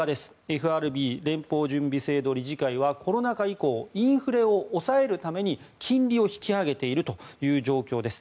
ＦＲＢ・連邦準備制度理事会はコロナ禍以降インフレを抑えるために金利を引き上げているという状況です。